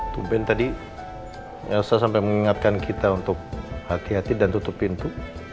tu ben tadi elsa sampai mengingatkan kita untuk hati hati dan tutup pintu